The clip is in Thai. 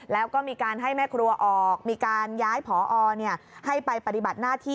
แล้วก็มีการให้แม่ครัวออกมีการย้ายผอให้ไปปฏิบัติหน้าที่